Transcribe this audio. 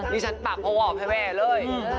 ดิฉันปากพอวอบให้แวะเลย